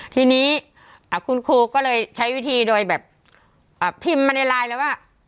ทีนี้คุณครูก็เลยใช้วิธีโดยแบบพิมพ์มาในไลน์แล้วว่า